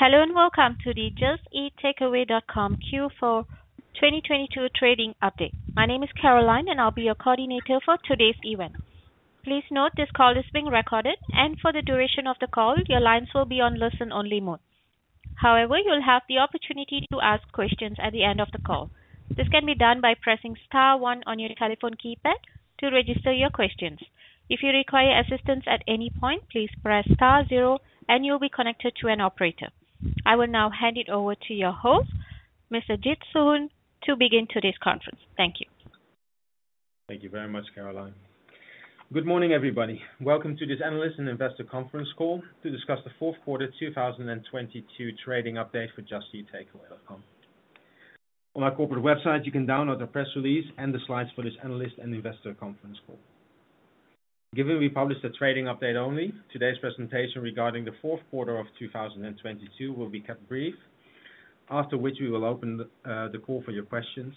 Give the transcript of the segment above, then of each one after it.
Hello and welcome to the Just Eat Takeaway.com Q4 2022 Trading Update. My name is Caroline, and I'll be your coordinator for today's event. Please note this call is being recorded, and for the duration of the call, your lines will be on listen-only mode. However, you'll have the opportunity to ask questions at the end of the call. This can be done by pressing star one on your telephone keypad to register your questions. If you require assistance at any point, please press star zero and you'll be connected to an operator. I will now hand it over to your host, Mr. Jitse Groen, to begin today's conference. Thank you. Thank you very much, Caroline. Good morning, everybody. Welcome to this Analyst and Investor Conference Call to discuss the fourth quarter 2022 trading update for Just Eat Takeaway.com. On our corporate website, you can download the press release and the slides for this Analyst and Investor Conference Call. Given we published a trading update only, today's presentation regarding the fourth quarter of 2022 will be kept brief, after which we will open the call for your questions.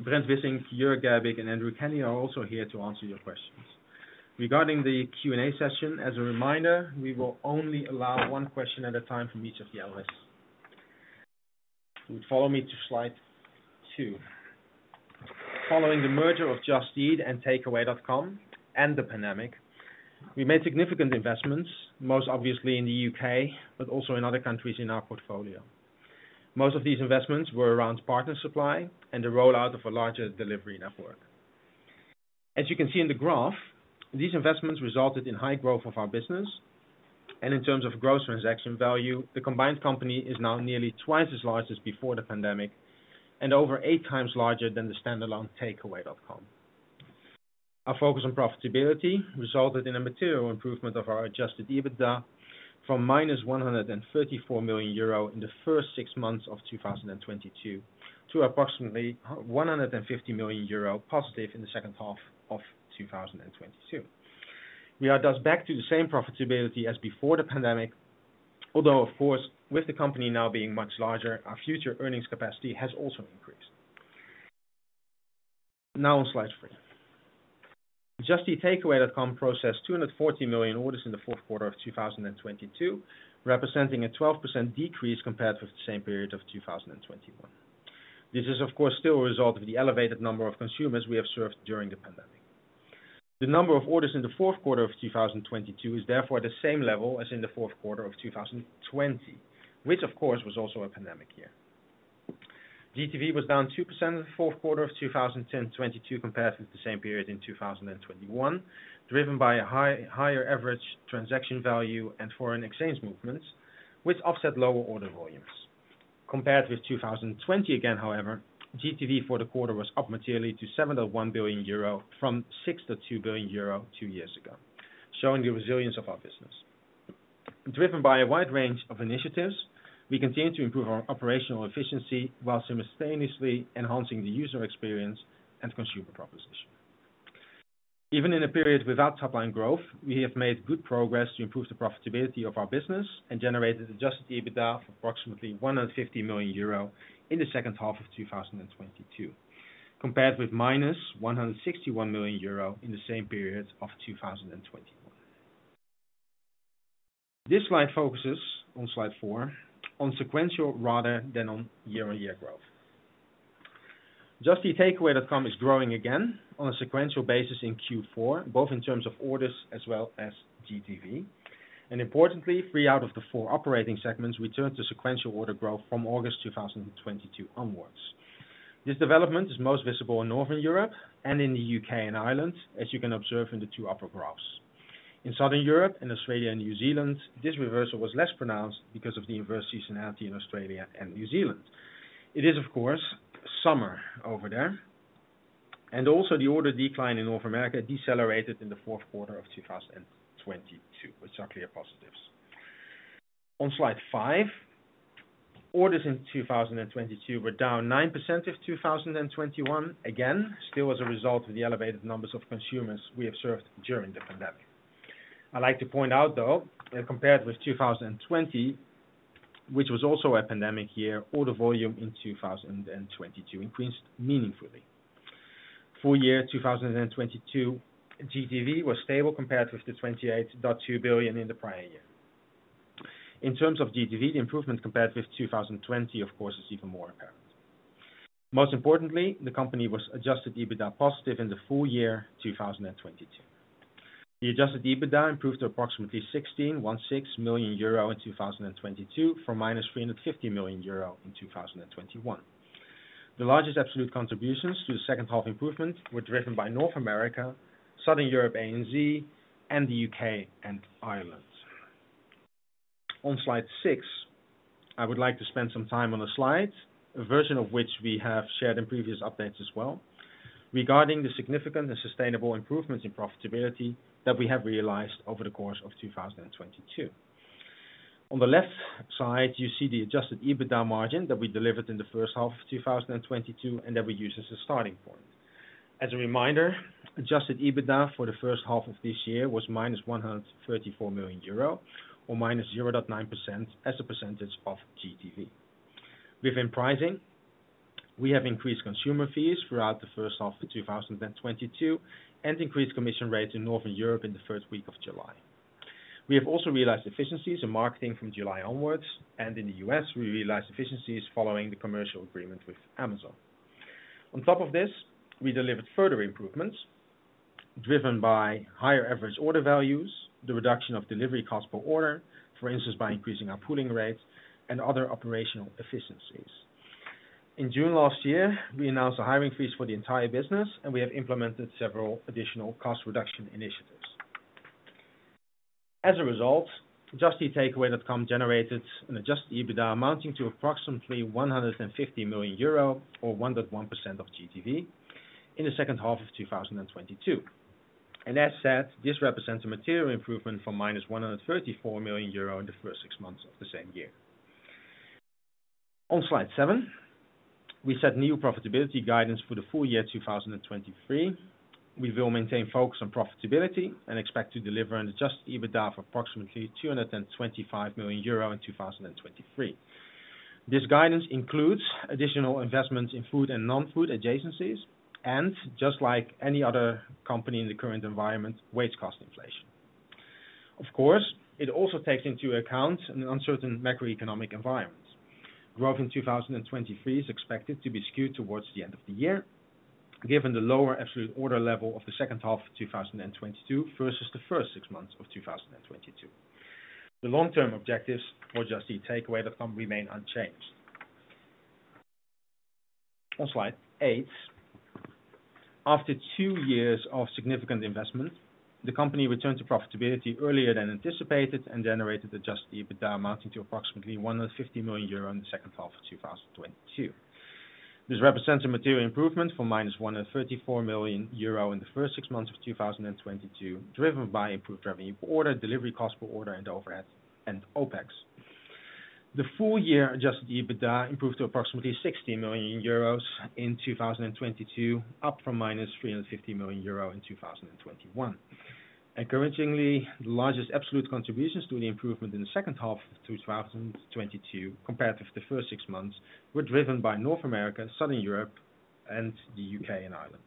Brent Wissink, Jörg Gerbig, and Andrew Kenny are also here to answer your questions. Regarding the Q&A session, as a reminder, we will only allow one question at a time from each of the analysts. Follow me to slide two. Following the merger of Just Eat and Takeaway.com and the pandemic, we made significant investments, most obviously in the U.K. but also in other countries in our portfolio. Most of these investments were around partner supply and the rollout of a larger delivery network. As you can see in the graph, these investments resulted in high growth of our business. In terms of growth transaction value, the combined company is now nearly twice as large as before the pandemic and over eight times larger than the standalone Takeaway.com. Our focus on profitability resulted in a material improvement of our Adjusted EBITDA from minus 134 million euro in the first six months of 2022 to approximately 150 million euro positive in the second half of 2022. We are thus back to the same profitability as before the pandemic, although, of course, with the company now being much larger, our future earnings capacity has also increased. On slide three. Just Eat Takeaway.com processed 240 million orders in the fourth quarter of 2022, representing a 12% decrease compared with the same period of 2021. This is, of course, still a result of the elevated number of consumers we have served during the pandemic. The number of orders in the fourth quarter of 2022 is therefore the same level as in the fourth quarter of 2020, which of course, was also a pandemic year. GTV was down 2% in the fourth quarter of 2022 compared with the same period in 2021, driven by a higher average transaction value and foreign exchange movements which offset lower order volumes. Compared with 2020 again, however, GTV for the quarter was up materially to 7.1 billion euro from 6.2 billion euro two years ago, showing the resilience of our business. Driven by a wide range of initiatives, we continue to improve our operational efficiency whilst simultaneously enhancing the user experience and consumer proposition. Even in a period without top line growth, we have made good progress to improve the profitability of our business and generated Adjusted EBITDA of approximately 150 million euro in the second half of 2022, compared with minus 161 million euro in the same period of 2021. This slide focuses, on slide four, on sequential rather than on year-on-year growth. Just Eat Takeaway.com is growing again on a sequential basis in Q4, both in terms of orders as well as GTV. Importantly, three out of the four operating segments returned to sequential order growth from August 2022 onwards. This development is most visible in Northern Europe and in the U.K. and Ireland, as you can observe in the two upper graphs. In Southern Europe and Australia and New Zealand, this reversal was less pronounced because of the inverse seasonality in Australia and New Zealand. It is, of course, summer over there. Also the order decline in North America decelerated in the fourth quarter of 2022, which are clear positives. On slide five, orders in 2022 were down 9% of 2021. Again, still as a result of the elevated numbers of consumers we observed during the pandemic. I like to point out, though, that compared with 2020, which was also a pandemic year, order volume in 2022 increased meaningfully. Full year 2022, GTV was stable compared with the 28.2 billion in the prior year. In terms of GTV, the improvement compared with 2020, of course, is even more apparent. Most importantly, the company was Adjusted EBITDA positive in the full year 2022. The Adjusted EBITDA improved to approximately 16 million euro in 2022 from minus 350 million euro in 2021. The largest absolute contributions to the second half improvement were driven by North America, Southern Europe, ANZ, and the UK and Ireland. On slide six, I would like to spend some time on the slide, a version of which we have shared in previous updates as well, regarding the significant and sustainable improvements in profitability that we have realized over the course of 2022. On the left side, you see the Adjusted EBITDA margin that we delivered in the first half of 2022 and that we use as a starting point. As a reminder, Adjusted EBITDA for the H1 of this year was -134 million euro or -0.9% as a percentage of GTV. Within pricingWe have increased consumer fees throughout the first half of 2022, and increased commission rates in Northern Europe in the first week of July. We have also realized efficiencies in marketing from July onwards, and in the U.S., we realized efficiencies following the commercial agreement with Amazon. On top of this, we delivered further improvements driven by higher average order values, the reduction of delivery cost per order, for instance, by increasing our pooling rates and other operational efficiencies. In June last year, we announced a hiring freeze for the entire business, and we have implemented several additional cost reduction initiatives. As a result, Just Eat Takeaway.com generated an Adjusted EBITDA amounting to approximately 150 million euro or 1.1% of GTV in the second half of 2022. As said, this represents a material improvement from minus 134 million euro in the first six months of the same year. On slide seven, we set new profitability guidance for the full year 2023. We will maintain focus on profitability and expect to deliver an Adjusted EBITDA of approximately 225 million euro in 2023. This guidance includes additional investments in food and non-food adjacencies, just like any other company in the current environment, wage cost inflation. Of course, it also takes into account an uncertain macroeconomic environment. Growth in 2023 is expected to be skewed towards the end of the year, given the lower absolute order level of the second half of 2022 versus the first six months of 2022. The long-term objectives for Just Eat Takeaway.com remain unchanged. On slide eight. After two years of significant investment, the company returned to profitability earlier than anticipated and generated Adjusted EBITDA amounting to approximately 150 million euro in the second half of 2022. This represents a material improvement from -134 million euro in the first six months of 2022, driven by improved revenue per order, delivery cost per order and overhead and OPEX. The full year Adjusted EBITDA improved to approximately 60 million euros in 2022, up from minus 350 million euro in 2021. Encouragingly, the largest absolute contributions to the improvement in the second half of 2022, compared to the first six months, were driven by North America, Southern Europe and the U.K. and Ireland.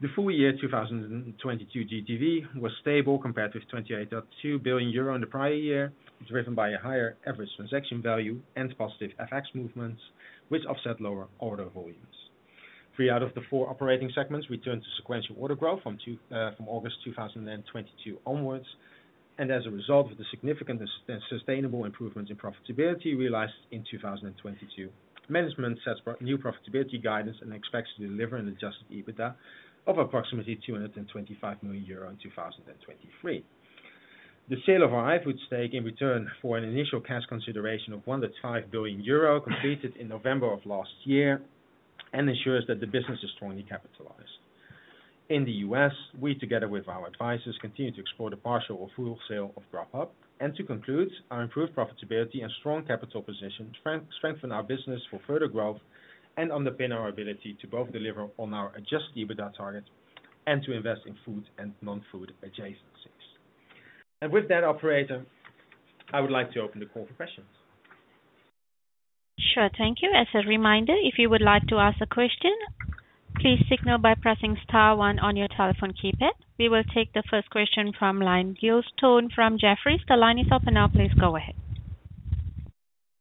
The full year 2022 GTV was stable compared with 28.2 billion euro in the prior year, driven by a higher average transaction value and positive FX movements, which offset lower order volumes. Three out of the four operating segments returned to sequential order growth from August 2022 onwards. As a result of the significant and sustainable improvements in profitability realized in 2022, management sets pro-new profitability guidance and expects to deliver an Adjusted EBITDA of approximately 225 million euro in 2023. The sale of our iFood stake in return for an initial cash consideration of 1.5 billion euro completed in November of last year, ensures that the business is strongly capitalized. In the U.S., we, together with our advisors, continue to explore the partial or full sale of Grubhub. To conclude, our improved profitability and strong capital position strengthen our business for further growth and underpin our ability to both deliver on our Adjusted EBITDA targets and to invest in food and non-food adjacencies. With that, operator, I would like to open the call for questions. Sure. Thank you. As a reminder, if you would like to ask a question, please signal by pressing star one on your telephone keypad. We will take the first question from line. Giles Thorne from Jefferies. The line is open now. Please go ahead.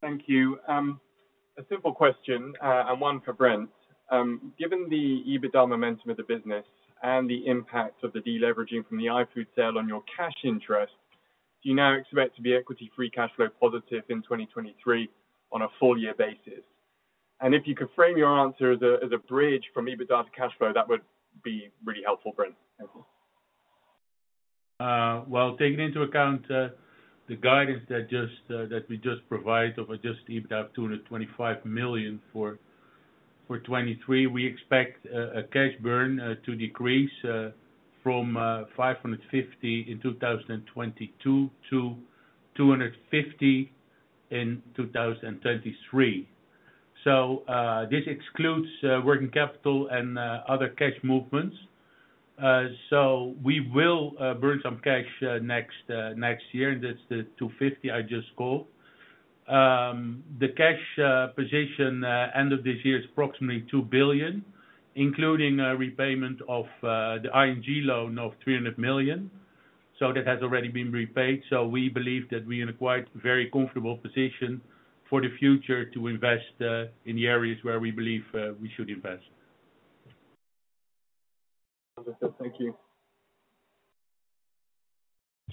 Thank you. A simple question, and one for Brent. Given the EBITDA momentum of the business and the impact of the deleveraging from the iFood sale on your cash interest, do you now expect to be equity free cash flow positive in 2023 on a full year basis? If you could frame your answer as a, as a bridge from EBITDA to cash flow, that would be really helpful, Brent. Thank you. Well, taking into account the guidance that we just provided of Adjusted EBITDA of 225 million for 2023, we expect a cash burn to decrease from 550 in 2022 to 250 in 2023. This excludes working capital and other cash movements. We will burn some cash next year, and that's the 250 I just called. The cash position end of this year is approximately 2 billion, including a repayment of the ING loan of 300 million. That has already been repaid. We believe that we are in a quite, very comfortable position for the future to invest in the areas where we believe we should invest. Understood. Thank you.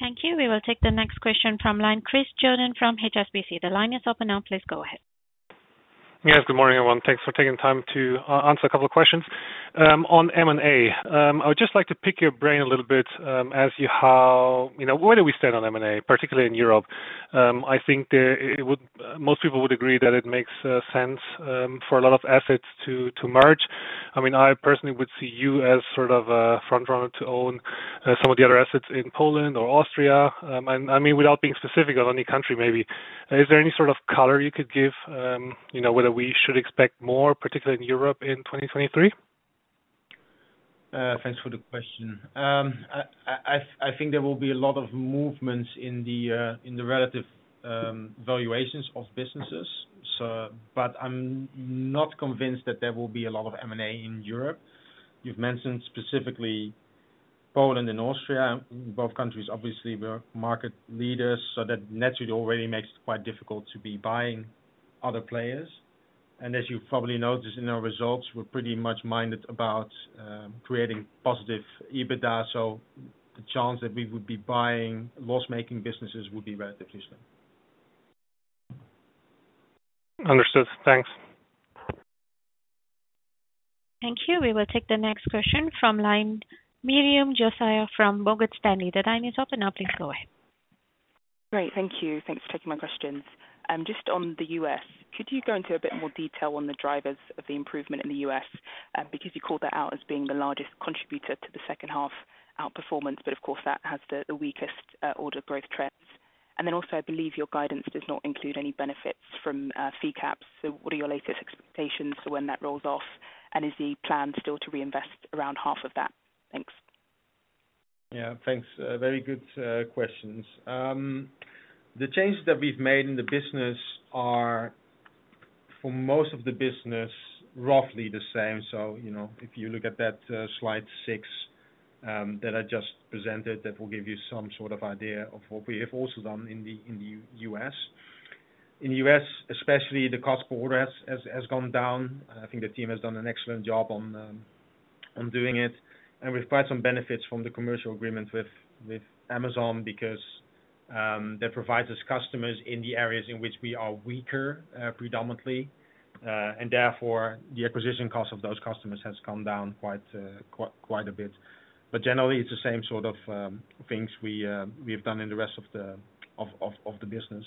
Thank you. We will take the next question from line of Christopher Johnen from HSBC. The line is open now. Please go ahead. Yes, good morning, everyone. Thanks for taking time to answer a couple of questions. On M&A, I would just like to pick your brain a little bit as to how, you know, where do we stand on M&A, particularly in Europe? I think most people would agree that it makes sense for a lot of assets to merge. I mean, I personally would see you as sort of a front runner to own some of the other assets in Poland or Austria. I mean, without being specific on any country, maybe. Is there any sort of color you could give, you know, whether we should expect more, particularly in Europe in 2023? Thanks for the question. I think there will be a lot of movements in the relative valuations of businesses. I'm not convinced that there will be a lot of M&A in Europe. You've mentioned specifically Poland and Austria. Both countries, obviously, we're market leaders, so that naturally it already makes it quite difficult to be buying other players. As you probably noticed in our results, we're pretty much minded about creating positive EBITDA. The chance that we would be buying loss-making businesses would be relatively slim. Understood. Thanks. Thank you. We will take the next question from line, Miriam Josiah from Morgan Stanley. The line is open now. Please go ahead. Great. Thank you. Thanks for taking my questions. Just on the U.S. could you go into a bit more detail on the drivers of the improvement in the U.S. because you called that out as being the largest contributor to the second half outperformance, but of course, that has the weakest order growth trends? Also, I believe your guidance does not include any benefits from fee caps. What are your latest expectations for when that rolls off? Is the plan still to reinvest around half of that? Thanks. Yeah, thanks. Very good questions. The changes that we've made in the business are, for most of the business, roughly the same. You know, if you look at that slide six that I just presented, that will give you some sort of idea of what we have also done in the U.S. In the U.S. especially the cost per order has gone down. I think the team has done an excellent job on doing it. We've quite some benefits from the commercial agreement with Amazon because that provides us customers in the areas in which we are weaker predominantly. Therefore, the acquisition cost of those customers has come down quite a bit. Generally, it's the same sort of things we have done in the rest of the business.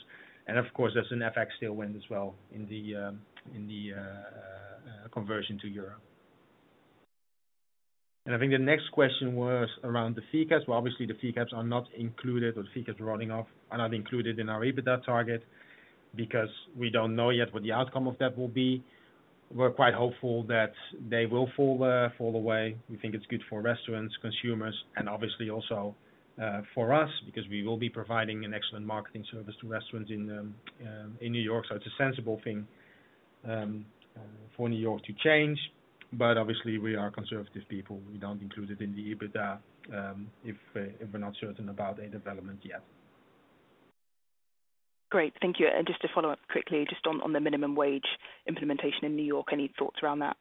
Of course, there's an FX tailwind as well in the conversion to Europe. I think the next question was around the fee caps. Obviously the fee caps are not included or the fee caps running off are not included in our EBITDA target because we don't know yet what the outcome of that will be. We're quite hopeful that they will fall away. We think it's good for restaurants, consumers, and obviously also for us, because we will be providing an excellent marketing service to restaurants in New York. It's a sensible thing for New York to change. Obviously we are conservative people. We don't include it in the EBITDA, if we're not certain about a development yet. Great. Thank you. Just to follow up quickly, just on the minimum wage implementation in New York, any thoughts around that?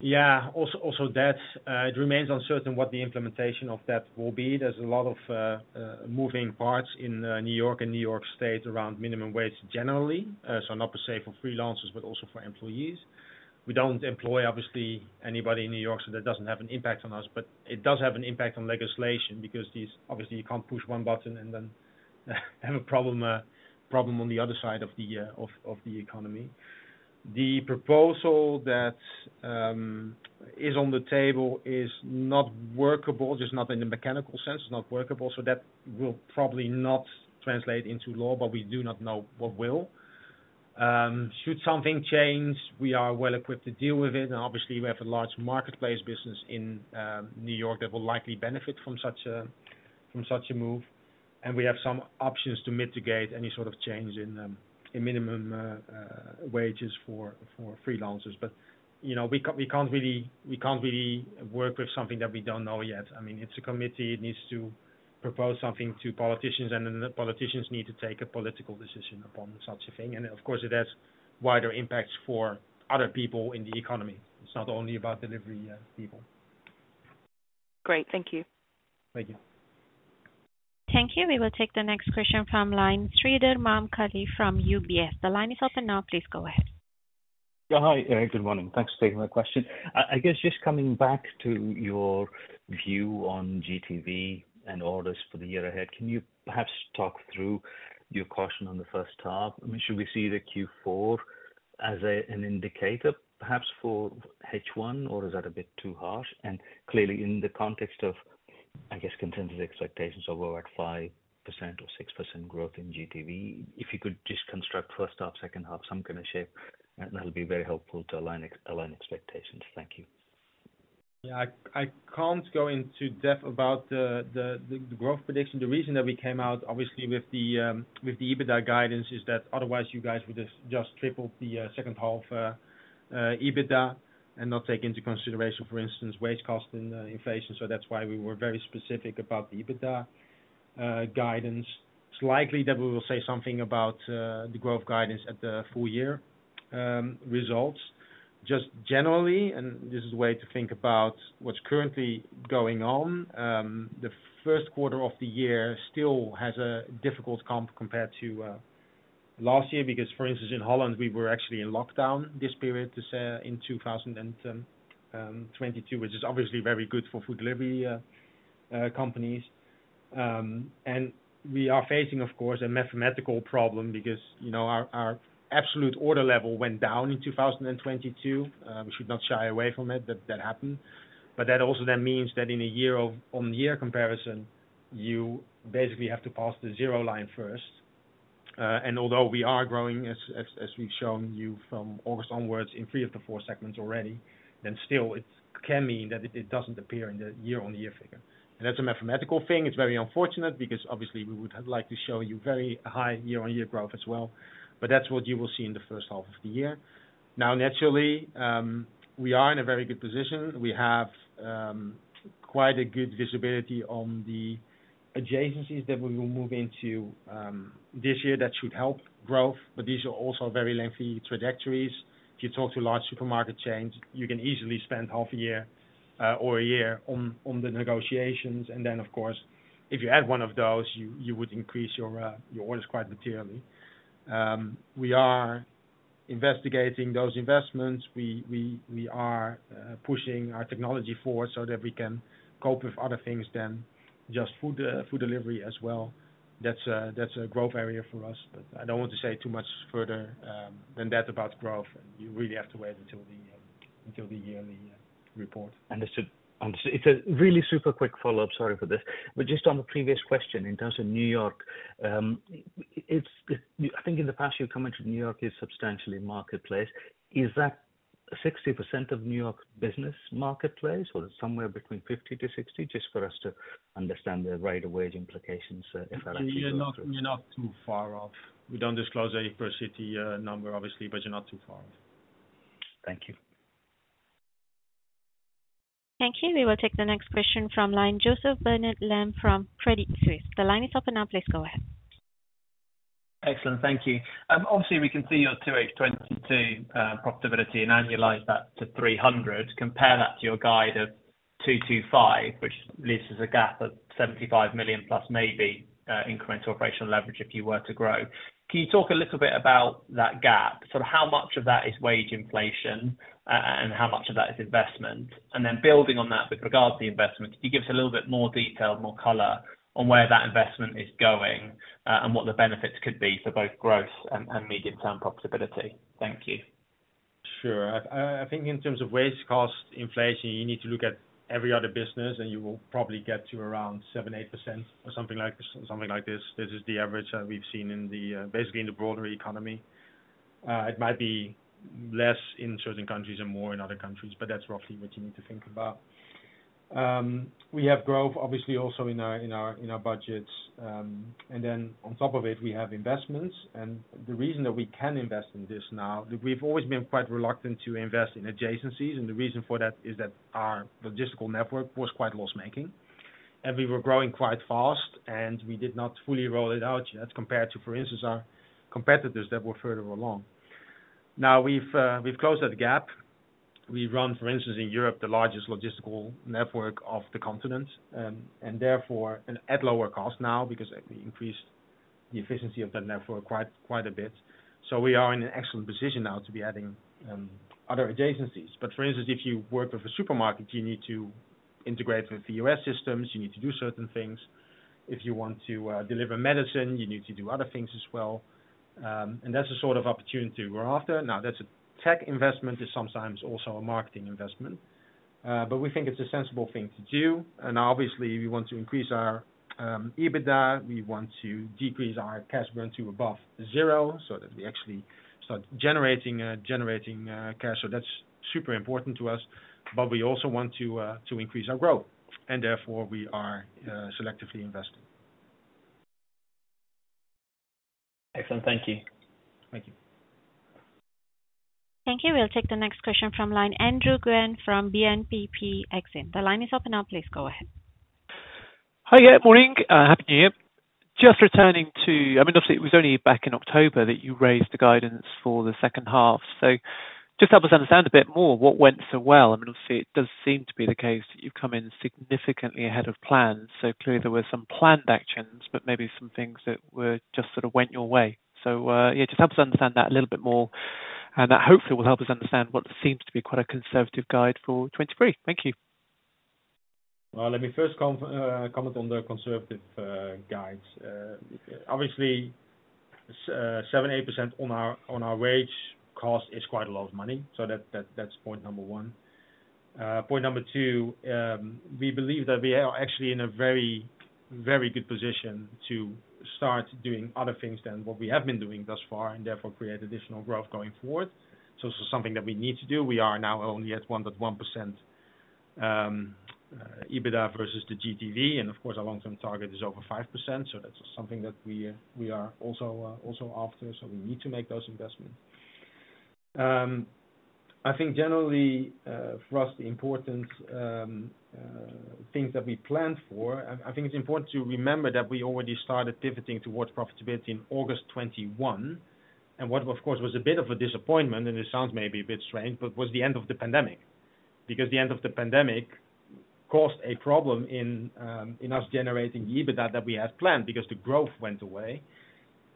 Yeah. Also, that it remains uncertain what the implementation of that will be. There's a lot of moving parts in New York and New York State around minimum wage generally. Not to say for freelancers, but also for employees. We don't employ, obviously, anybody in New York, that doesn't have an impact on us, but it does have an impact on legislation because these... Obviously, you can't push one button and then have a problem on the other side of the of the economy. The proposal that is on the table is not workable, just not in the mechanical sense, it's not workable, that will probably not translate into law, but we do not know what will. Should something change, we are well equipped to deal with it. Obviously, we have a large marketplace business in New York that will likely benefit from such a move. We have some options to mitigate any sort of change in minimum wages for freelancers. You know, we can't really work with something that we don't know yet. I mean, it's a committee. It needs to propose something to politicians. The politicians need to take a political decision upon such a thing. Of course, it has wider impacts for other people in the economy. It's not only about delivery people. Great. Thank you. Thank you. Thank you. We will take the next question from line, Sreedhar Mahamkali from UBS. The line is open now. Please go ahead. Yeah. Hi. Good morning. Thanks for taking my question. I guess just coming back to your view on GTV and orders for the year ahead, can you perhaps talk through your caution on the first half? I mean, should we see the Q4 as an indicator perhaps for H1, or is that a bit too harsh? Clearly, in the context of, I guess, consensus expectations of over at 5% or 6% growth in GTV, if you could just construct first half, second half, some kind of shape, that'll be very helpful to align expectations. Thank you. I can't go into depth about the growth prediction. The reason that we came out, obviously, with the EBITDA guidance is that otherwise you guys would have just tripled the second half EBITDA and not take into consideration, for instance, wage costs and inflation. That's why we were very specific about the EBITDA guidance. It's likely that we will say something about the growth guidance at the full year results. Generally, and this is a way to think about what's currently going on, the first quarter of the year still has a difficult comp compared to last year, because, for instance, in Holland, we were actually in lockdown this period, this in 2010, 22, which is obviously very good for food delivery companies. We are facing, of course, a mathematical problem because, you know, our absolute order level went down in 2022. We should not shy away from it, that happened. That also then means that in a year-over-year comparison, you basically have to pass the zero line first. Although we are growing as we've shown you from August onwards in three of the four segments already, then still it can mean that it doesn't appear in the year-on-year figure. That's a mathematical thing. It's very unfortunate because obviously we would have liked to show you very high year-on-year growth as well, but that's what you will see in the H1 of the year. Naturally, we are in a very good position. We have quite a good visibility on the adjacencies that we will move into this year that should help growth. These are also very lengthy trajectories. If you talk to large supermarket chains, you can easily spend half a year or a year on the negotiations. Of course, if you add one of those, you would increase your orders quite materially. We are investigating those investments. We are pushing our technology forward so that we can cope with other things than just food food delivery as well. That's a growth area for us, but I don't want to say too much further than that about growth. You really have to wait until the yearly report. Understood. It's a really super quick follow-up. Sorry for this. Just on the previous question, in terms of New York, I think in the past you commented New York is substantially marketplace. Is that 60% of New York business marketplace, or somewhere between 50%-60%? Just for us to understand the rate of wage implications, if that actually goes through. You're not too far off. We don't disclose a per city number, obviously, but you're not too far off. Thank you. Thank you. We will take the next question from line, Jo Barnet-Lamb from Credit Suisse. The line is open now, please go ahead. Excellent. Thank you. Obviously we can see your 2H 2022 profitability and annualize that to 300. Compare that to your guide of 225, which leaves us a gap of 75 million plus maybe incremental operational leverage if you were to grow. Can you talk a little bit about that gap? Sort of how much of that is wage inflation and how much of that is investment? Then building on that with regards to the investment, can you give us a little bit more detail, more color on where that investment is going, and what the benefits could be for both growth and medium-term profitability? Thank you. Sure. I think in terms of wage cost inflation, you need to look at every other business. You will probably get to around 7%, 8% or something like this. This is the average that we've seen in the basically in the broader economy. It might be less in certain countries and more in other countries, but that's roughly what you need to think about. We have growth obviously also in our budgets. Then on top of it, we have investments. The reason that we can invest in this now, we've always been quite reluctant to invest in adjacencies, and the reason for that is that our logistical network was quite loss-making, and we were growing quite fast, and we did not fully roll it out yet compared to, for instance, our competitors that were further along. Now we've closed that gap. We run, for instance, in Europe, the largest logistical network of the continent, and therefore at lower cost now because we increased the efficiency of that network quite a bit. We are in an excellent position now to be adding other adjacencies. For instance, if you work with a supermarket, you need to integrate with the U.S. systems, you need to do certain things. If you want to deliver medicine, you need to do other things as well. That's the sort of opportunity we're after. Now, that's a tech investment is sometimes also a marketing investment, but we think it's a sensible thing to do. Obviously we want to increase our EBITDA. We want to decrease our cash burn to above zero so that we actually start generating cash. That's super important to us. We also want to increase our growth, and therefore we are selectively investing. Excellent. Thank you. Thank you. Thank you. We'll take the next question from line, Andrew Gwynn from BNPP Exane. The line is open now. Please go ahead. Hiya. Morning. Happy New Year. Just returning to... I mean, obviously it was only back in October that you raised the guidance for the second half. Just help us understand a bit more what went so well. I mean, obviously it does seem to be the case that you've come in significantly ahead of plan. Clearly there were some planned actions, but maybe some things that were just sort of went your way. Yeah, just help us understand that a little bit more, and that hopefully will help us understand what seems to be quite a conservative guide for 2023. Thank you. Well, let me first comment on the conservative guides. Obviously, 7%, 8% on our wage cost is quite a lot of money. That's point number one. Point number two, we believe that we are actually in a very, very good position to start doing other things than what we have been doing thus far and therefore create additional growth going forward. Something that we need to do. We are now only at 1.1% EBITDA versus the GTV, and of course our long-term target is over 5%. That's something that we are also after. We need to make those investments. I think generally, for us, the important things that we planned for, I think it's important to remember that we already started pivoting towards profitability in August 2021. What, of course, was a bit of a disappointment, and this sounds maybe a bit strange, but was the end of the pandemic. The end of the pandemic caused a problem in us generating the EBITDA that we had planned because the growth went away.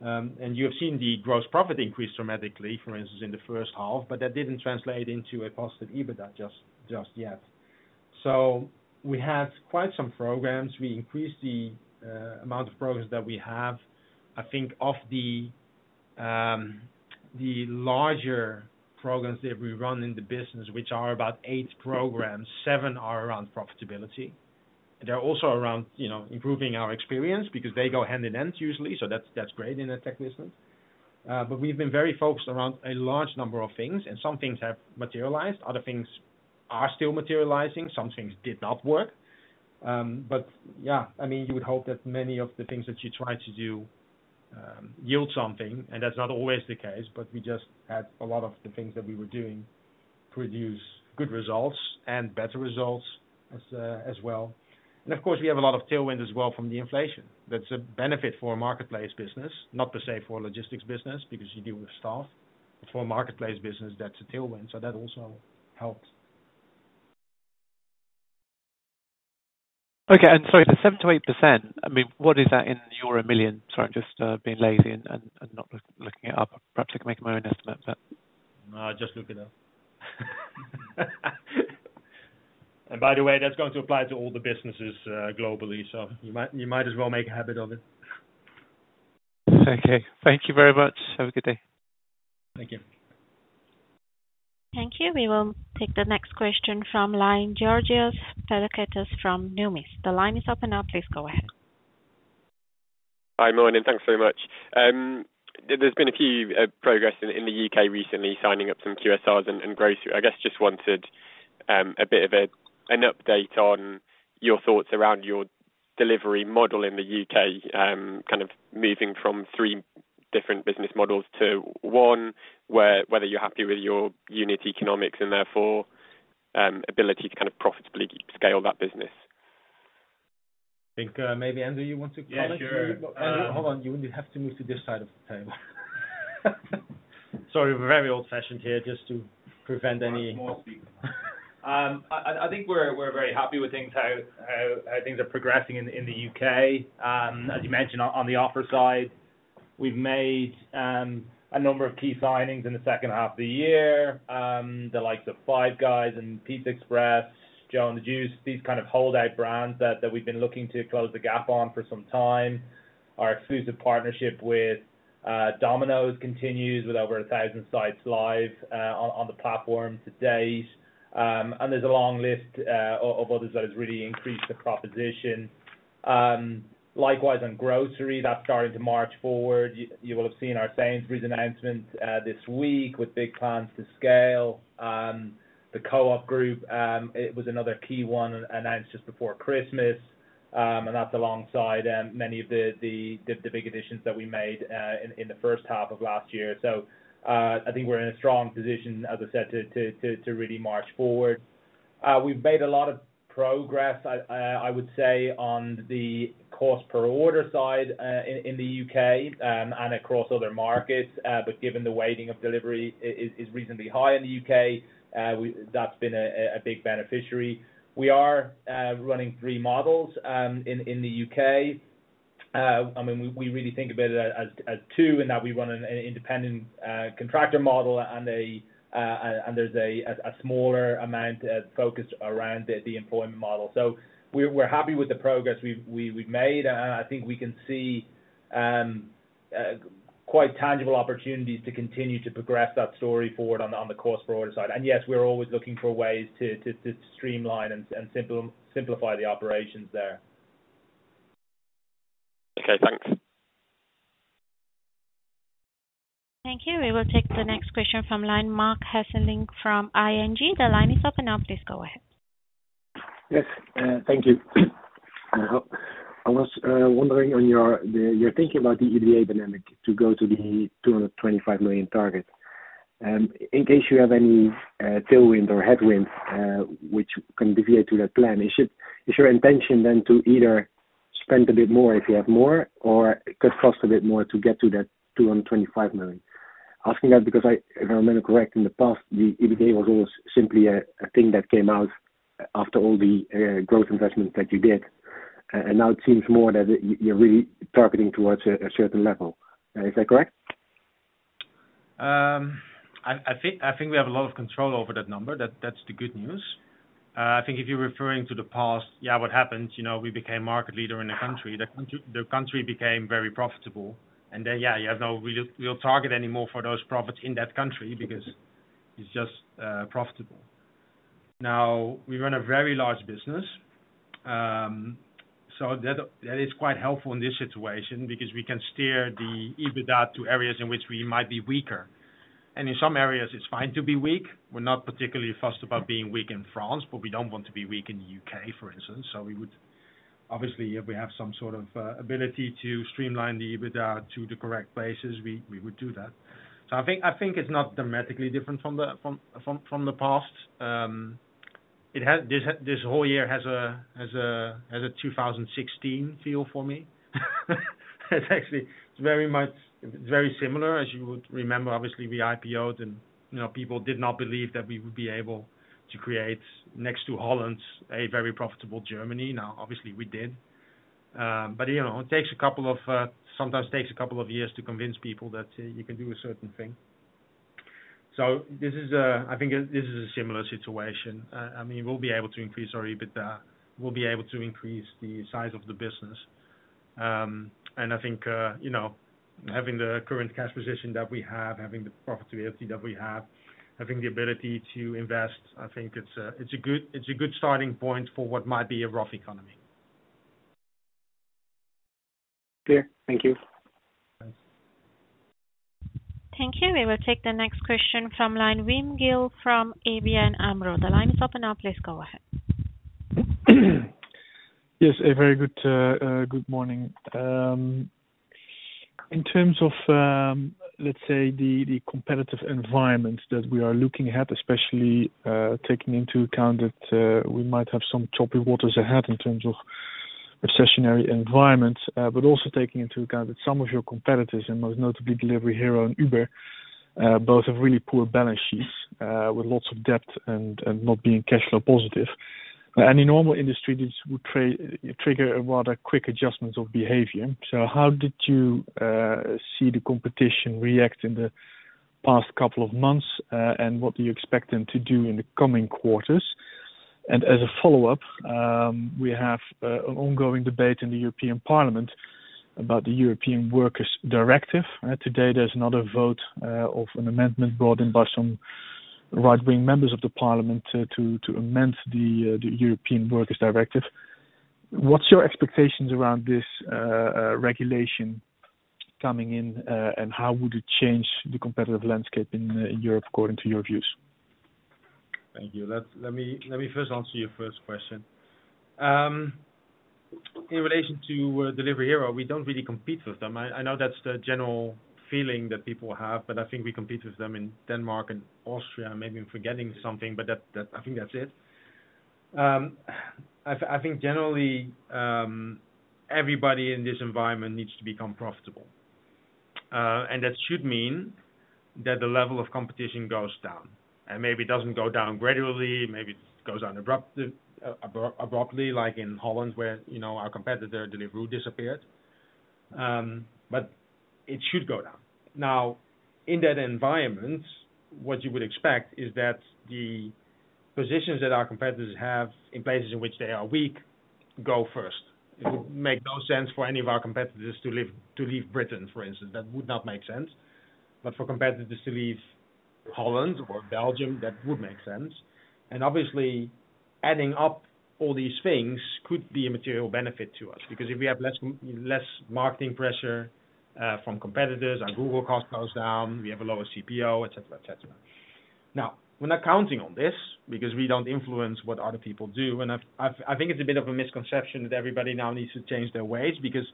You have seen the gross profit increase dramatically, for instance, in the first half, but that didn't translate into a positive EBITDA just yet. We have quite some programs. We increased the amount of programs that we have, I think, of the larger programs that we run in the business, which are about eight programs, seven are around profitability. They're also around, you know, improving our experience because they go hand in hand usually. That's, that's great in a tech business. We've been very focused around a large number of things, and some things have materialized, other things are still materializing. Some things did not work. Yeah. I mean, you would hope that many of the things that you try to do, yield something, and that's not always the case, but we just had a lot of the things that we were doing produce good results and better results as well. Of course, we have a lot of tailwind as well from the inflation. That's a benefit for a marketplace business, not per se for a logistics business because you deal with staff. For a marketplace business, that's a tailwind. That also helps. Okay. Sorry, the 7%-8%, I mean, what is that in euro million? Sorry, I'm just being lazy and not looking it up. Perhaps I can make my own estimate, but. No, just look it up. By the way, that's going to apply to all the businesses globally, so you might as well make a habit of it. Okay. Thank you very much. Have a good day. Thank you. Thank you. We will take the next question from line, Georgios Pilakoutas from Numis. The line is open now, please go ahead. Hi. Morning, thanks very much. There's been a few progress in the UK recently signing up some QSRs and grocery. I guess just wanted a bit of an update on your thoughts around your delivery model in the UK, kind of moving from three different business models to one, whether you're happy with your unit economics and therefore, ability to kind of profitably scale that business. I think, maybe, Andrew, you want to comment? Yeah, sure. Andrew, hold on. You have to move to this side of the table. Sorry. We're very old-fashioned here just to prevent any-. Small speak. I think we're very happy with things, how things are progressing in the U.K. As you mentioned on the offer side, we've made a number of key signings in the second half of the year. The likes of Five Guys and PizzaExpress, Joe & The Juice, these kind of holdout brands that we've been looking to close the gap on for some time. Our exclusive partnership with Domino's continues with over 1,000 sites live on the platform to date. There's a long list of others that has really increased the proposition. Likewise on grocery, that's starting to march forward. You will have seen our Sainsbury's announcement this week with big plans to scale. The Co-op Group, it was another key one announced just before Christmas. That's alongside many of the big additions that we made in the H1 of last year. I think we're in a strong position, as I said, to really march forward. We've made a lot of progress, I would say, on the cost per order side in the U.K. and across other markets. Given the weighting of delivery is reasonably high in the U.K., that's been a big beneficiary. We are running three models in the U.K. I mean, we really think about it as two, in that we run an independent contractor model and there's a smaller amount focused around the employment model. We're happy with the progress we've made. I think we can see quite tangible opportunities to continue to progress that story forward on the cost per order side. Yes, we're always looking for ways to streamline and simplify the operations there. Okay, thanks. Thank you. We will take the next question from line, Marc Hesselink from ING. The line is open now, please go ahead Yes, Thank you. I was wondering on your take about the EBITDA to go to the 225 million target and in case you have any tail wins or head wins which you should intention than to either spend to did more if you have more or approximate more to get to 225 million. Asking it because I correcting the past EBITDA results simply that came out after all the growth investment that you did. Is that correct? I think we have a lot of control over that number. That's the good news. I think if you're referring to the past, yeah, what happened, you know, we became market leader in the country. The country became very profitable. Then, yeah, you have no real target anymore for those profits in that country because it's just profitable. Now, we run a very large business, so that is quite helpful in this situation because we can steer the EBITDA to areas in which we might be weaker. In some areas it's fine to be weak. We're not particularly fussed about being weak in France, but we don't want to be weak in the U.K. for instance. We would obviously, if we have some sort of ability to streamline the EBITDA to the correct places, we would do that. I think it's not dramatically different from the past. This whole year has a 2016 feel for me. It's actually very similar, as you would remember. Obviously, we IPO'd and, you know, people did not believe that we would be able to create next to Holland a very profitable Germany. Obviously we did. You know, it sometimes takes a couple of years to convince people that you can do a certain thing. This is, I think this is a similar situation. I mean, we'll be able to increase our EBITDA. We'll be able to increase the size of the business. I think, you know, having the current cash position that we have, having the profitability that we have, having the ability to invest, I think it's a good, it's a good starting point for what might be a rough economy. Clear. Thank you. Thanks. Thank you. We will take the next question from Wim Gille from ABN AMRO. The line is open now. Please go ahead. Yes, a very good morning. In terms of, let's say the competitive environment that we are looking at, especially taking into account that we might have some choppy waters ahead in terms of recessionary environment, but also taking into account that some of your competitors, and most notably Delivery Hero and Uber, both have really poor balance sheets, with lots of debt and not being cash flow positive. In a normal industry, this would trigger a rather quick adjustment of behavior. How did you see the competition react in the past couple of months, and what do you expect them to do in the coming quarters? As a follow-up, we have an ongoing debate in the European Parliament about the Platform Work Directive. Today, there's another vote of an amendment brought in by some right-wing members of the parliament to amend the Platform Work Directive. What's your expectations around this regulation coming in and how would it change the competitive landscape in Europe according to your views? Thank you. Let me first answer your first question. In relation to Delivery Hero, we don't really compete with them. I know that's the general feeling that people have, but I think we compete with them in Denmark and Austria. Maybe I'm forgetting something, but that, I think that's it. I think generally, everybody in this environment needs to become profitable. That should mean that the level of competition goes down, and maybe it doesn't go down gradually, maybe it goes down abruptly, like in Holland, where, you know, our competitor, Deliveroo, disappeared. It should go down. Now, in that environment, what you would expect is that the positions that our competitors have in places in which they are weak go first. It would make no sense for any of our competitors to leave, to leave Britain, for instance. That would not make sense. For competitors to leave Holland or Belgium, that would make sense. Obviously, adding up all these things could be a material benefit to us. Because if we have less marketing pressure from competitors, our Google cost goes down, we have a lower CPO, et cetera, et cetera. Now, we're not counting on this because we don't influence what other people do. I think it's a bit of a misconception that everybody now needs to change their ways, because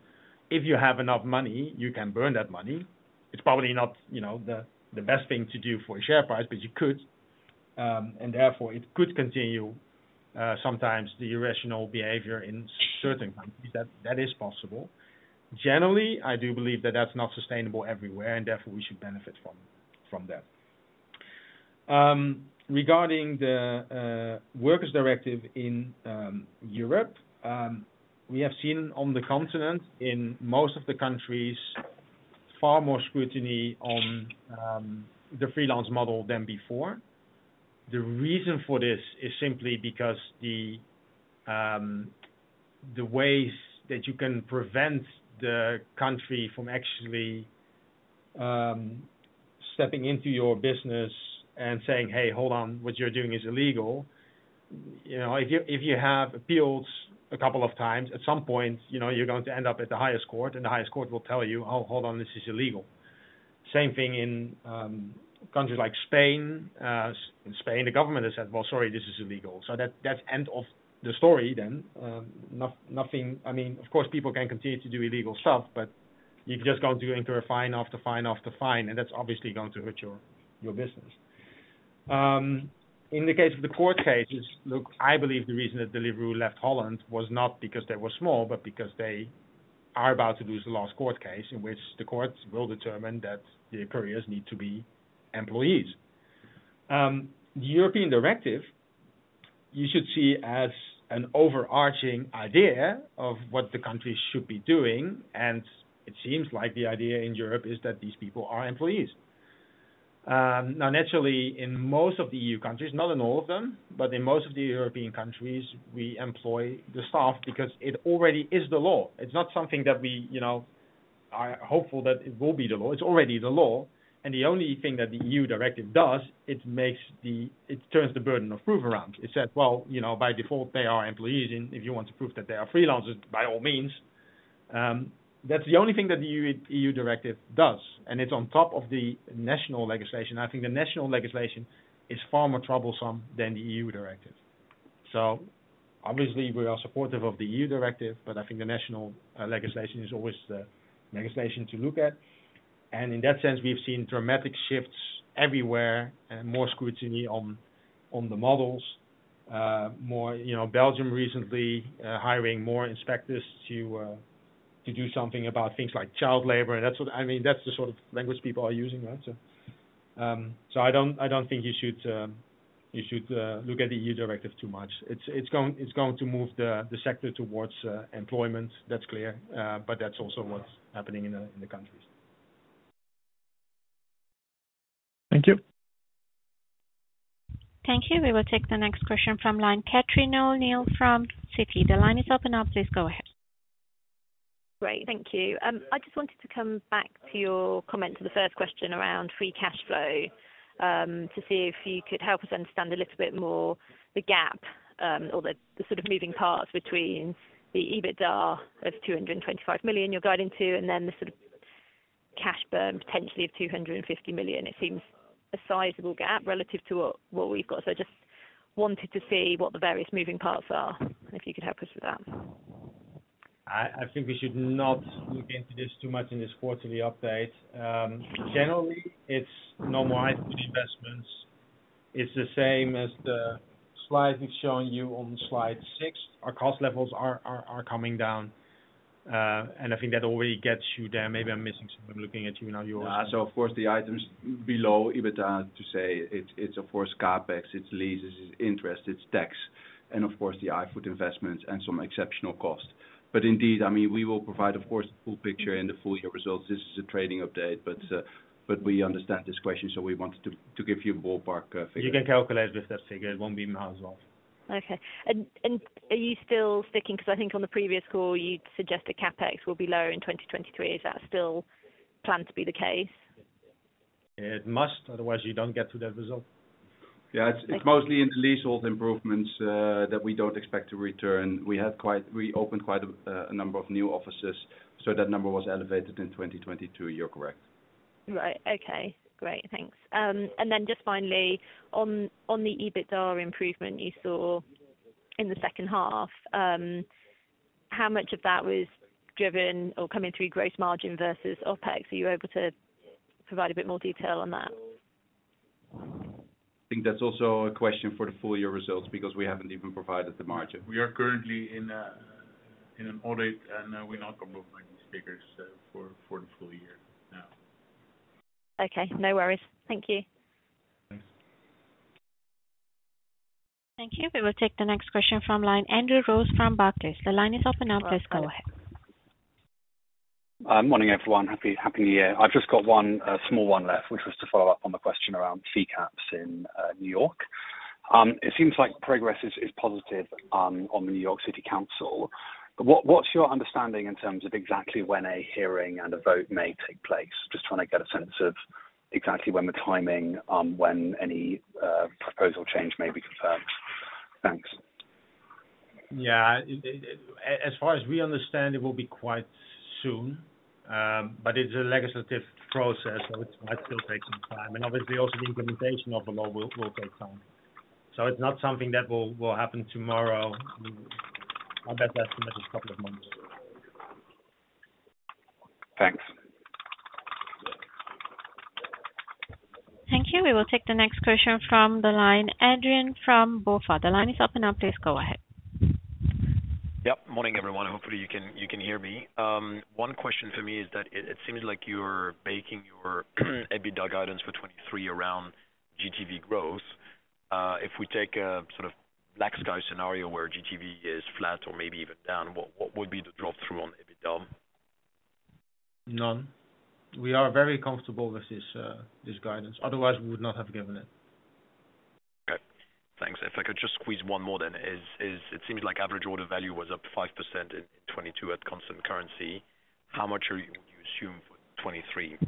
if you have enough money, you can burn that money. It's probably not, you know, the best thing to do for a share price, but you could. Therefore, it could continue sometimes the irrational behavior in certain countries. That is possible. Generally, I do believe that that's not sustainable everywhere, and therefore, we should benefit from that. Regarding the workers directive in Europe, we have seen on the continent, in most of the countries, far more scrutiny on the freelance model than before. The reason for this is simply because the ways that you can prevent the country from actually stepping into your business and saying, "Hey, hold on. What you're doing is illegal." You know, if you have appeals a couple of times, at some point, you know, you're going to end up at the highest court, and the highest court will tell you, "Oh, hold on. This is illegal." Same thing in countries like Spain. Spain, the government has said, "Well, sorry, this is illegal." That's end of the story then. nothing... I mean, of course, people can continue to do illegal stuff, but you're just going to enter a fine after fine after fine, and that's obviously going to hurt your business. In the case of the court cases, look, I believe the reason that Deliveroo left Holland was not because they were small, but because they are about to lose the last court case in which the courts will determine that the couriers need to be employees. The European directive, you should see as an overarching idea of what the country should be doing, and it seems like the idea in Europe is that these people are employees. Now, naturally, in most of the EU countries, not in all of them, but in most of the European countries, we employ the staff because it already is the law. It's not something that we, you know, are hopeful that it will be the law. It's already the law. The only thing that the EU directive does, it makes the, it turns the burden of proof around. It says, "Well, you know, by default, they are employees. And if you want to prove that they are freelancers, by all means." That's the only thing that the EU directive does, and it's on top of the national legislation. I think the national legislation is far more troublesome than the EU directive. Obviously, we are supportive of the EU directive, but I think the national legislation is always the legislation to look at. In that sense, we've seen dramatic shifts everywhere and more scrutiny on the models. More, you know, Belgium recently, hiring more inspectors to do something about things like child labor. I mean, that's the sort of language people are using, right? I don't think you should look at the EU directive too much. It's going to move the sector towards employment. That's clear. That's also what's happening in the countries. Thank you. Thank you. We will take the next question from line, Catherine O'Neill from Citi. The line is open now. Please go ahead. Great. Thank you. I just wanted to come back to your comment to the first question around free cash flow, to see if you could help us understand a little bit more the gap, or the sort of moving parts between the EBITDA of 225 million you're guiding to and then the sort of cash burn potentially of 250 million. It seems a sizable gap relative to what we've got. Just wanted to see what the various moving parts are, and if you could help us with that. I think we should not look into this too much in this quarterly update. Generally, it's normalized investments. It's the same as the slide we've shown you on slide six. Our cost levels are coming down. I think that already gets you there. Maybe I'm missing something. I'm looking at you now. Of course, the items below EBITDA, to say it's of course CapEx, it's leases, it's interest, it's tax, and of course the iFood investments and some exceptional costs. Indeed, I mean, we will provide, of course, the full picture and the full year results. This is a trading update. We understand this question, so we wanted to give you ballpark figure. You can calculate with that figure. It won't be miles off. Okay. Are you still sticking... Because I think on the previous call, you'd suggested CapEx will be lower in 2023. Is that still planned to be the case? It must, otherwise you don't get to that result. Yeah. Okay. It's mostly in the leasehold improvements, that we don't expect to return. We opened quite a number of new offices, so that number was elevated in 2022. You're correct. Right. Okay. Great. Thanks. Just finally, on the EBITDA improvement you saw in the second half, how much of that was driven or coming through gross margin versus OpEx? Are you able to provide a bit more detail on that? I think that's also a question for the full year results because we haven't even provided the margin. We are currently in an audit, and we're not comfortable providing these figures for the full year now. Okay. No worries. Thank you. Thanks. Thank you. We will take the next question from line, Andrew Ross from Barclays. The line is open now. Please go ahead. Morning, everyone. Happy New Year. I've just got one, a small one left, which was to follow up on the question around fee caps in New York. It seems like progress is positive on the New York City Council. What's your understanding in terms of exactly when a hearing and a vote may take place? Just trying to get a sense of exactly when the timing on when any proposal change may be confirmed. Thanks. Yeah. As far as we understand, it will be quite soon. It's a legislative process, so it might still take some time. Obviously also the implementation of the law will take time. It's not something that will happen tomorrow. Our best estimate is a couple of months. Thanks. Thank you. We will take the next question from the line, Adrian from BofA. The line is open now. Please go ahead. Yep. Morning, everyone. Hopefully you can hear me. One question for me is that it seems like you're baking your EBITDA guidance for 2023 around GTV growth. If we take a sort of black sky scenario where GTV is flat or maybe even down, what would be the drop through on EBITDA? None. We are very comfortable with this guidance. Otherwise, we would not have given it. Okay. Thanks. If I could just squeeze one more then. It seems like average order value was up 5% in 2022 at constant currency. How much do you assume for 2023?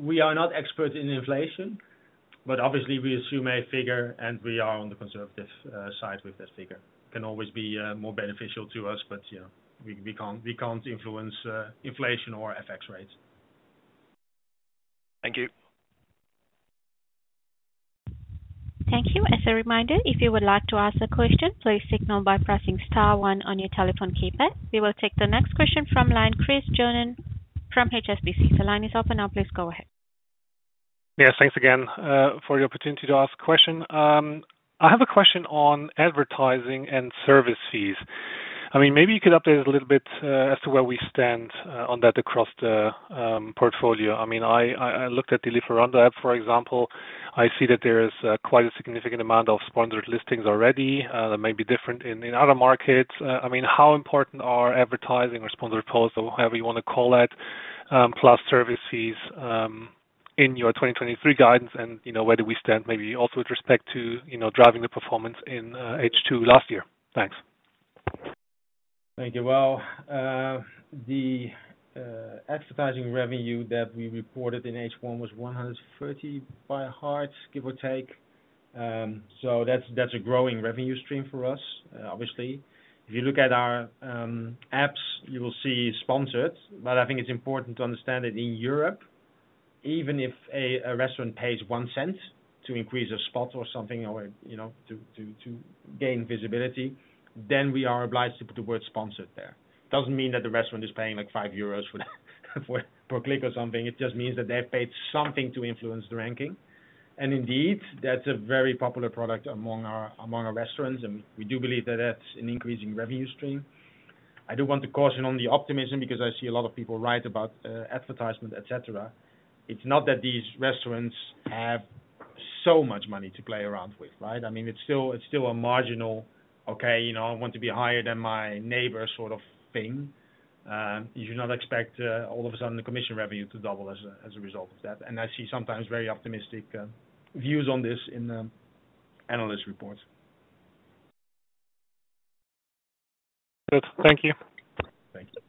We are not expert in inflation. Obviously we assume a figure, and we are on the conservative side with that figure. Can always be more beneficial to us. You know, we can't influence inflation or FX rates. Thank you. Thank you. As a reminder, if you would like to ask a question, please signal by pressing star one on your telephone keypad. We will take the next question from line, Chris Johnen from HSBC. The line is open now. Please go ahead. Yes. Thanks again for the opportunity to ask a question. I have a question on advertising and service fees. I mean, maybe you could update us a little bit as to where we stand on that across the portfolio. I mean, I looked at Delivery Hero app, for example. I see that there is quite a significant amount of sponsored listings already that may be different in other markets. I mean, how important are advertising or sponsored posts, or however you wanna call that, plus services, in your 2023 guidance? You know, where do we stand maybe also with respect to, you know, driving the performance in H2 last year? Thanks. Thank you. Well, the advertising revenue that we reported in H1 was 130 by heart, give or take. That's a growing revenue stream for us, obviously. If you look at our apps, you will see sponsored. I think it's important to understand that in Europe, even if a restaurant pays 0.01 to increase a spot or something or, you know, to gain visibility, then we are obliged to put the word sponsored there. Doesn't mean that the restaurant is paying like 5 euros for per click or something. It just means that they've paid something to influence the ranking. Indeed, that's a very popular product among our, among our restaurants, and we do believe that that's an increasing revenue stream. I do want to caution on the optimism because I see a lot of people write about advertisement, et cetera. It's not that these restaurants have so much money to play around with, right? I mean, it's still, it's still a marginal, okay, you know, I want to be higher than my neighbor sort of thing. You should not expect all of a sudden the commission revenue to double as a, as a result of that. I see sometimes very optimistic views on this in the analyst reports. Good. Thank you. Thank you.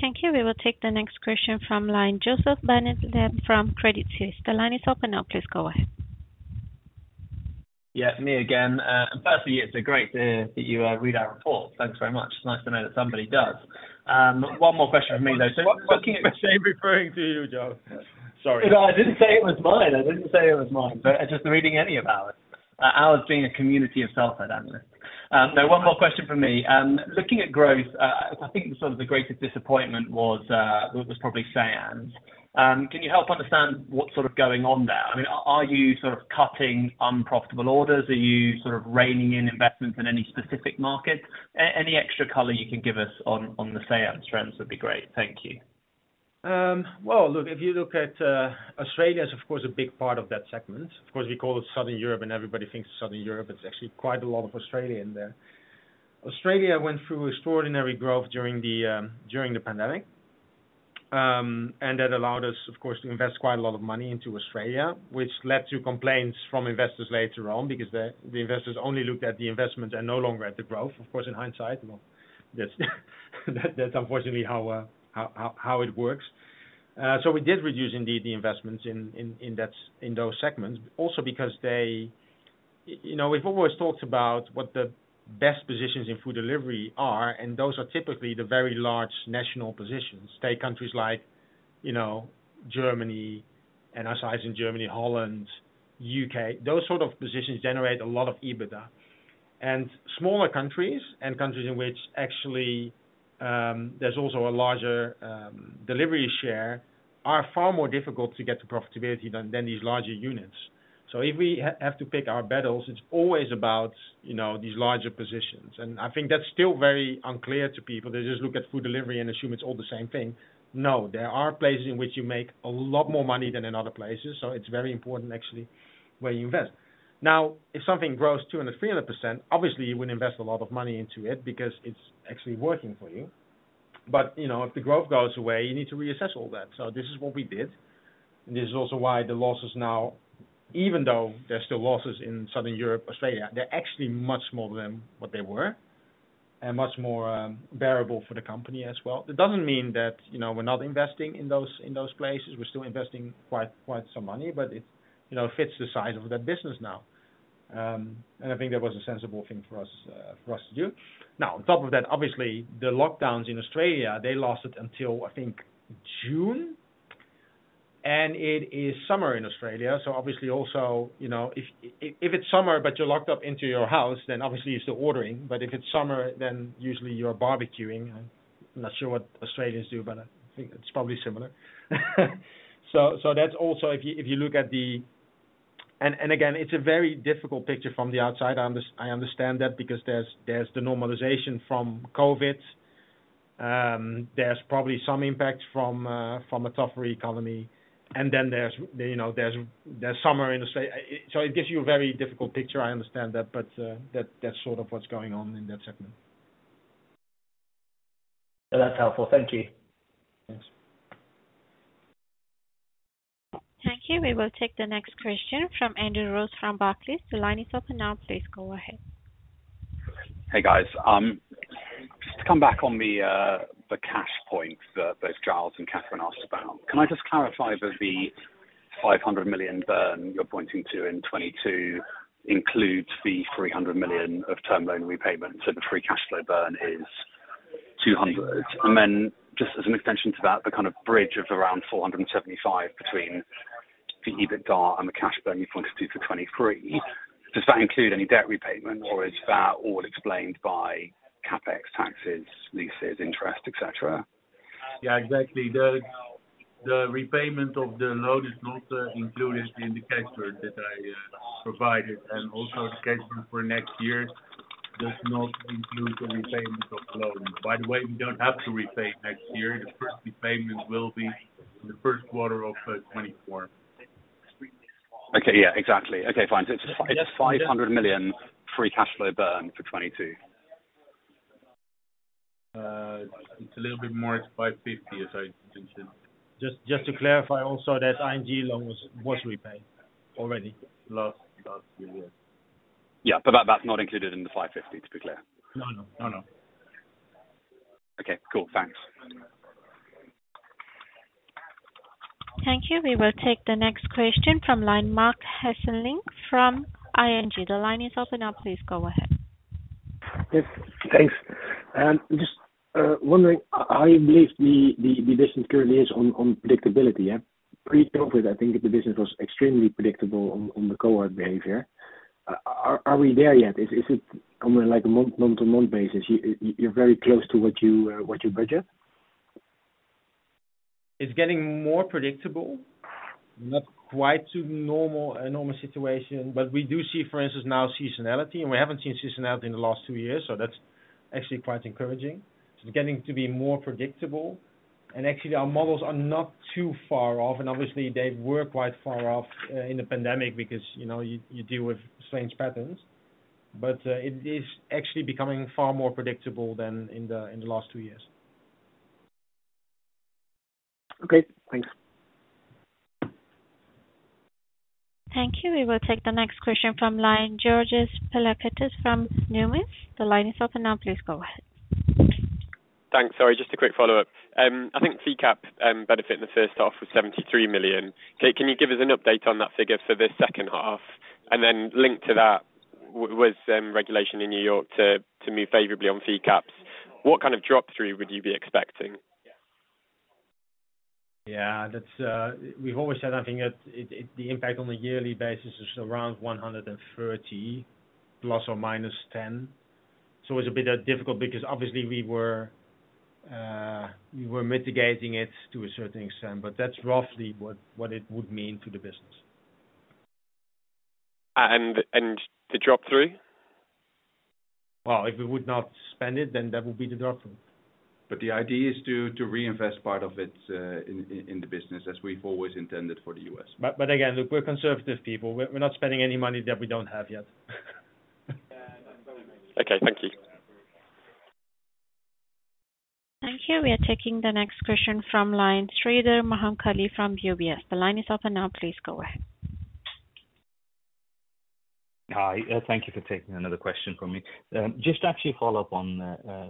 Thank you. We will take the next question from line, Jo Barnet-Lamb from Credit Suisse. The line is open now, please go ahead. Yeah, me again. Firstly, it's great to hear that you read our report. Thanks very much. It's nice to know that somebody does. One more question from me, though. Which statement referring to you, Joe? Sorry. No, I didn't say it was mine. I didn't say it was mine, but just reading any of ours. Ours being a community of sell-side analysts. Now one more question from me. Looking at growth, I think sort of the greatest disappointment was probably Seyanes. Can you help understand what's sort of going on there? I mean, are you sort of cutting unprofitable orders? Are you sort of reigning in investments in any specific markets? Any extra color you can give us on the Seyanes trends would be great. Thank you. Well, look, if you look at Australia is of course a big part of that segment. Of course, we call it Southern Europe, and everybody thinks Southern Europe. It's actually quite a lot of Australia in there. Australia went through extraordinary growth during the pandemic. That allowed us, of course, to invest quite a lot of money into Australia, which led to complaints from investors later on because the investors only looked at the investment and no longer at the growth. Of course, in hindsight, well, that's unfortunately how it works. We did reduce indeed the investments in those segments, also because they... you know, we've always talked about what the best positions in food delivery are, and those are typically the very large national positions. Take countries like, Germany, asides in Germany, Holland, UK. Those sort of positions generate a lot of EBITDA. Smaller countries and countries in which actually, there's also a larger delivery share are far more difficult to get to profitability than these larger units. If we have to pick our battles, it's always about, you know, these larger positions. I think that's still very unclear to people. They just look at food delivery and assume it's all the same thing. No, there are places in which you make a lot more money than in other places, so it's very important actually where you invest. Now, if something grows 200% and 300%, obviously you would invest a lot of money into it because it's actually working for you. You know, if the growth goes away, you need to reassess all that. This is what we did. This is also why the losses now, even though there's still losses in Southern Europe, Australia, they're actually much smaller than what they were and much more bearable for the company as well. That doesn't mean that, you know, we're not investing in those, in those places. We're still investing quite some money, but it, you know, fits the size of that business now. I think that was a sensible thing for us for us to do. On top of that, obviously, the lockdowns in Australia, they lasted until, I think, June, and it is summer in Australia. Obviously also, you know, if it's summer but you're locked up into your house, then obviously you're still ordering. If it's summer, then usually you're barbecuing. I'm not sure what Australians do, but I think it's probably similar. So that's also if you, if you look at the... Again, it's a very difficult picture from the outside. I understand that because there's the normalization from COVID. There's probably some impact from a tougher economy. There's, you know, there's summer in Australia. It gives you a very difficult picture, I understand that. That's sort of what's going on in that segment. That's helpful. Thank you. Thanks. Thank you. We will take the next question from Andrew Ross from Barclays. The line is open now. Please go ahead. Hey, guys. Just to come back on the cash point that both Giles and Catherine asked about. Can I just clarify that the 500 million burn you're pointing to in 2022 includes the 300 million of term loan repayment, so the free cash flow burn is 200? Just as an extension to that, the kind of bridge of around 475 between the EBITDA and the cash burn you pointed to for 2023, does that include any debt repayment or is that all explained by CapEx taxes, leases, interest, et cetera? Yeah, exactly. The repayment of the loan is not included in the cash burn that I provided. Also the cash burn for next year does not include the repayment of loans. By the way, we don't have to repay next year. The first repayment will be in the first quarter of 2024. Okay. Yeah, exactly. Okay, fine. It's 500 million free cash flow burn for 2022. It's a little bit more. It's 550, as I just said. Just to clarify also that ING loan was repaid already. Last year. Yeah. That, that's not included in 550, to be clear. No, no. No, no. Okay, cool. Thanks. Thank you. We will take the next question from line, Marc Hesselink from ING. The line is open now. Please go ahead. Yes. Thanks. Just wondering how you believe the business currently is on predictability, yeah. Pre-COVID, I think the business was extremely predictable on the cohort behavior. Are we there yet? Is it on like a month-to-month basis? You're very close to what you budget? It's getting more predictable, not quite to normal, a normal situation. We do see, for instance, now seasonality, and we haven't seen seasonality in the last two years, so that's actually quite encouraging. It's getting to be more predictable. Actually, our models are not too far off, and obviously they were quite far off in the pandemic because, you know, you deal with strange patterns. It is actually becoming far more predictable than in the last two years. Okay, thanks. Thank you. We will take the next question from line, Georgios Pilakoutas from Numis. The line is open now. Please go ahead. Thanks. Sorry, just a quick follow-up. I think fee cap benefit in the first half was 73 million. Okay, can you give us an update on that figure for the second half? Linked to that was regulation in New York to move favorably on fee caps. What kind of drop through would you be expecting? Yeah. That's, we've always said, I think it the impact on a yearly basis is around 130 ± 10. It's a bit difficult because obviously we were mitigating it to a certain extent, but that's roughly what it would mean to the business. The drop through? Well, if we would not spend it, then that would be the drop through. The idea is to reinvest part of it in the business as we've always intended for the U.S. Again, look, we're conservative people. We're not spending any money that we don't have yet. Okay. Thank you. Thank you. We are taking the next question from line, Sreedhar Mahankali from UBS. The line is open now. Please go ahead. Hi. Thank you for taking another question from me. Just actually follow up on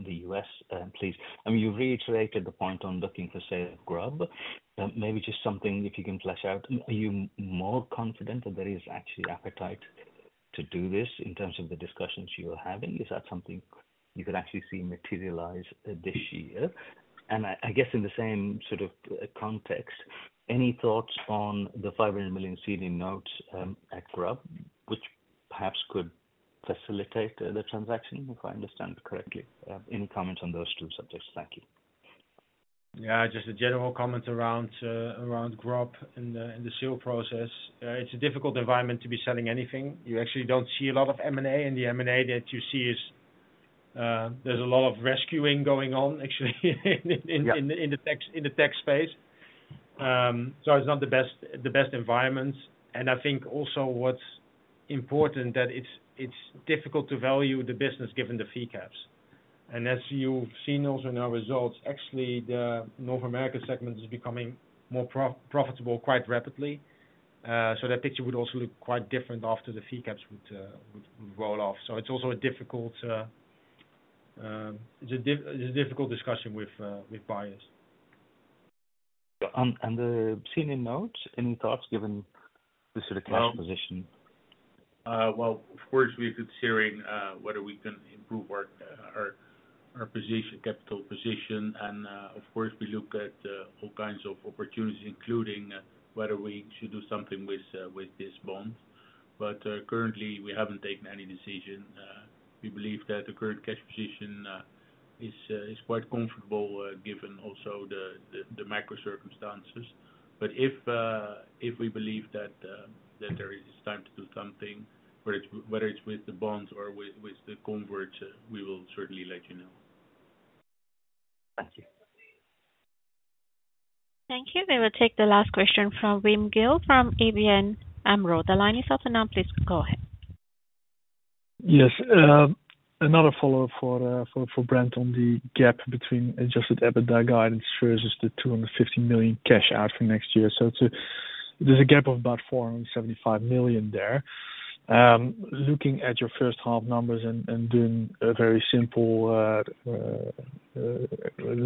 the U.S. please. I mean, you've reiterated the point on looking for sale of Grub. Maybe just something if you can flesh out, are you more confident that there is actually appetite to do this in terms of the discussions you are having? Is that something you could actually see materialize this year? I guess in the same sort of context, any thoughts on the $500 million senior notes at Grub, which perhaps could facilitate the transaction, if I understand correctly? Any comments on those two subjects? Thank you. Just a general comment around Grub and the sale process. It's a difficult environment to be selling anything. You actually don't see a lot of M&A, and the M&A that you see is, there's a lot of rescuing going on actually in the tech, in the tech space. It's not the best, the best environment. And I think also what's important that it's difficult to value the business given the fee caps. And as you've seen also in our results, actually, the North America segment is becoming more pro-profitable quite rapidly. That picture would also look quite different after the fee caps would roll off. It's also a difficult, it's a difficult discussion with buyers. On the senior notes, any thoughts given the sort of cash position? Well, of course, we've been considering whether we can improve our position, capital position. Of course, we look at all kinds of opportunities, including whether we should do something with this bond. Currently, we haven't taken any decision. We believe that the current cash position is quite comfortable given also the macro circumstances. If we believe that there is time to do something, whether it's with the bonds or with the converts, we will certainly let you know. Thank you. Thank you. We will take the last question from Wim Gille from ABN AMRO. The line is open now. Please go ahead. Yes. Another follow-up for Brent on the gap between Adjusted EBITDA guidance versus the 250 million cash out for next year. There's a gap of about 475 million there. Looking at your first half numbers and doing a very simple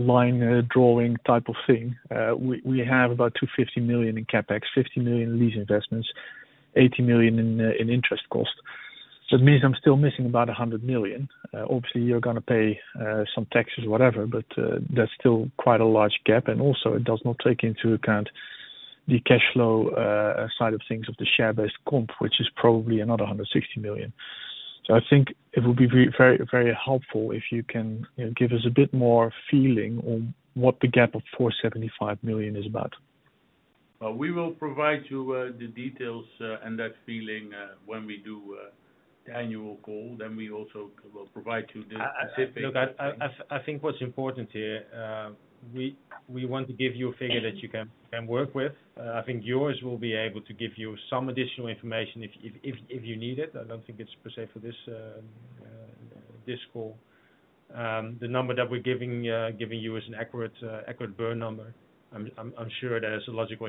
line drawing type of thing, we have about 250 million in CapEx, 50 million lease investments, 80 million in interest cost. It means I'm still missing about 100 million. Obviously, you're gonna pay some taxes, whatever, but that's still quite a large gap. Also it does not take into account the cash flow side of things of the share-based compensation, which is probably another 160 million. I think it would be very, very helpful if you can, you know, give us a bit more feeling on what the gap of 475 million is about. We will provide you the details and that feeling when we do the annual call. We also will provide you. I think. Look, I think what's important here, we want to give you a figure that you can work with. I think yours will be able to give you some additional information if you need it. I don't think it's per se for this call. The number that we're giving you is an accurate burn number. I'm sure there's a logical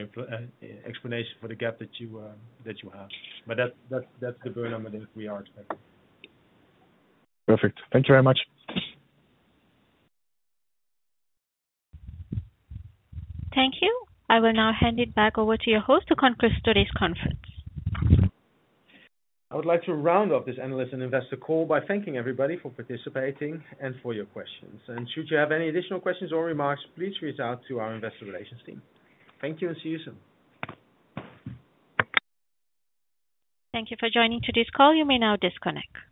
explanation for the gap that you have. That's the burn number that we are expecting. Perfect. Thank you very much. Thank you. I will now hand it back over to your host to conclude today's conference. I would like to round up this analyst and investor call by thanking everybody for participating and for your questions. Should you have any additional questions or remarks, please reach out to our investor relations team. Thank you and see you soon. Thank you for joining today's call. You may now disconnect.